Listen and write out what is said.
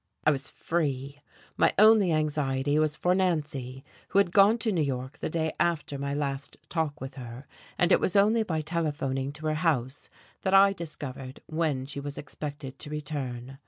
I was free. My only anxiety was for Nancy, who had gone to New York the day after my last talk with her; and it was only by telephoning to her house that I discovered when she was expected to return....